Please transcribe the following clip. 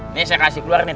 ini saya kasih keluar nih